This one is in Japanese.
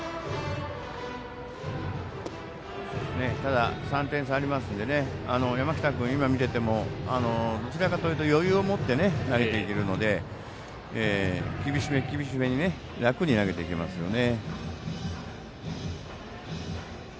ただ、３点差ありますので山北君、今、見ていてもどちらかというと余裕を持って投げているので厳しめ、厳しめに楽に投げていけますよね。